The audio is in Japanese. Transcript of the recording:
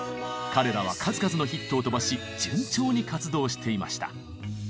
彼らは数々のヒットを飛ばし順調に活動していました。